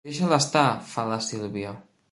Deixa'l estar —fa la Sílvia.